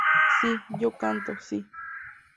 Si, yo canto, si.